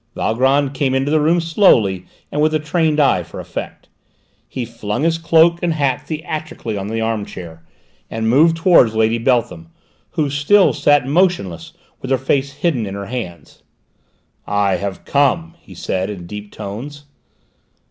Valgrand came into the room slowly, and with a trained eye for effect. He flung his cloak and hat theatrically on the arm chair, and moved towards Lady Beltham, who still sat motionless with her face hidden in her hands. "I have come!" he said in deep tones.